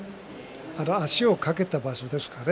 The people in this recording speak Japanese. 足をかけた場所ですかね